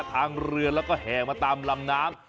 ทางเรือแล้วก็แห่มาตามลำน้ำ